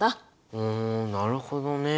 ふんなるほどね。